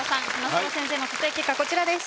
花城先生の査定結果こちらです。